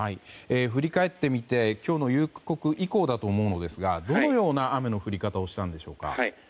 振り返ってみて今日の夕刻以降だと思いますがどのような雨の降り方をしたんでしょうか。